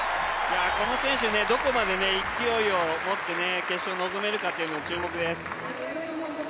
この選手、どこまで勢いを持って決勝に臨めるか注目です。